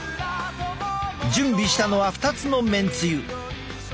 準備したのは２つのめんつゆ。